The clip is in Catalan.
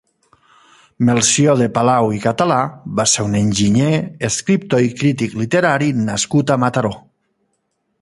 Melcior de Palau i Català va ser un enginyer, escriptor i crític literari nascut a Mataró.